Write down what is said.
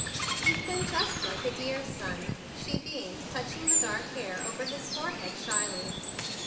"You've been just like a dear son," she beamed, touching the dark hair over his forehead shyly.